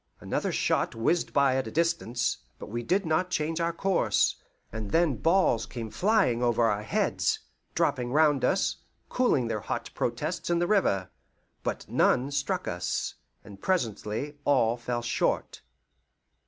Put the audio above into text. Another shot whizzed by at a distance, but we did not change our course, and then balls came flying over our heads, dropping round us, cooling their hot protests in the river. But none struck us, and presently all fell short.